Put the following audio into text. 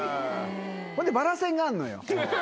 ほんでバラ線があるのよ